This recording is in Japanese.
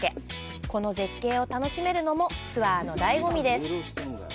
この絶景を楽しめるのもツアーのだいご味です。